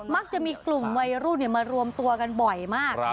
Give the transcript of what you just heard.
มักจะมีกลุ่มวัยรุ่นมารวมตัวกันบ่อยมาก